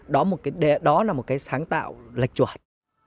đó là một cái sáng tạo lệch chuẩn